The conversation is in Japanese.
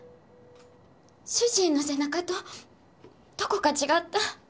主人の背中とどこか違った。